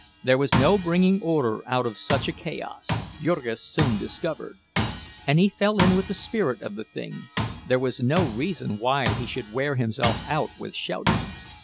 There was no bringing order out of such a chaos, Jurgis soon discovered; and he fell in with the spirit of the thing—there was no reason why he should wear himself out with shouting.